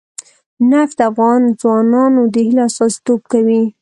نفت د افغان ځوانانو د هیلو استازیتوب کوي.